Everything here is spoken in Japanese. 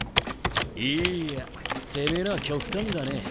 いいやてめえのは極端だね。